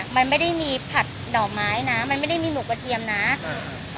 มันไม่ได้มีผัดดอกไม้นะมันไม่ได้มีหมูกระเทียมนะอืม